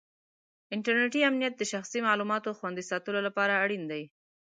انټرنېټي امنیت د شخصي معلوماتو خوندي ساتلو لپاره اړین دی.